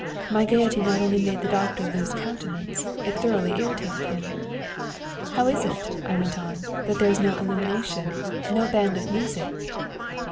'My gaiety not only made the doctor lose countenance; it thoroughly irritated him. '"How is it," I went on, "that there is no illumination, no band of music?"